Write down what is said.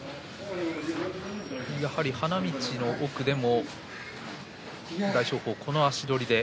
やはり花道の奥でも大翔鵬は、この足取り。